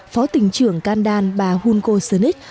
phó tỉnh trưởng kandan bà hunko sơn ích